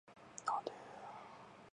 なんでーーー